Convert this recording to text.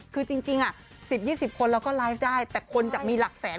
คือจริง๑๐๒๐คนเราก็ไลฟ์ได้แต่คนจะมีหลักแสน